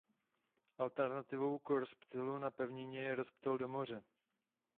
Alternativou k rozptylu na pevnině je rozptyl do moře.